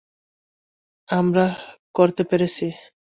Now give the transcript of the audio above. আমরা করতে পেরেছি!